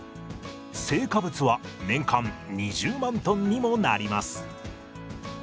青果物は年間２０万トンにもなります。